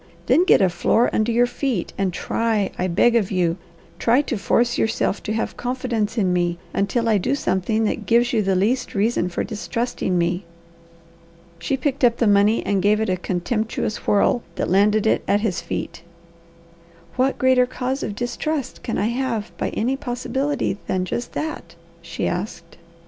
"Then get a floor under your feet, and try, I beg of you, try to force yourself to have confidence in me, until I do something that gives you the least reason for distrusting me." She picked up the money and gave it a contemptuous whirl that landed it at his feet. "What greater cause of distrust could I have by any possibility than just that?" she asked.